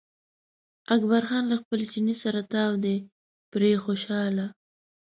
اکبر جان له خپل چیني سره تاو دی پرې خوشاله.